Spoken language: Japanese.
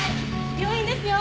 病院ですよ。